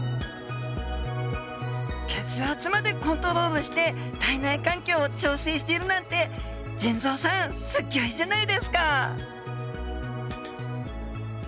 血圧までコントロールして体内環境を調整しているなんて腎臓さんすっギョいじゃないですか！